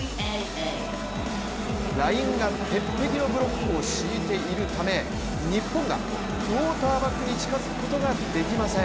ラインが鉄壁のブロックを敷いているため、日本がクオーターバックに近づくことができません。